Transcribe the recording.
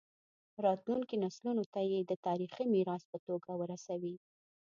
راتلونکو نسلونو ته یې د تاریخي میراث په توګه ورسوي.